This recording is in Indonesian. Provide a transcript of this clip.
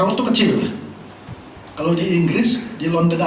kompetisi di kita menurut saya mau ikut ikut eropa